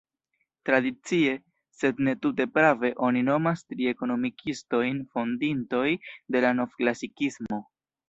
Tradicie, sed ne tute prave, oni nomas tri ekonomikistojn fondintoj de la novklasikismo.